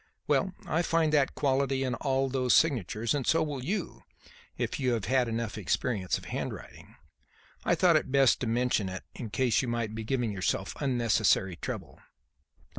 Well, I find that quality in all those signatures, and so will you, if you have had enough experience of handwriting. I thought it best to mention it in case you might be giving yourself unnecessary trouble."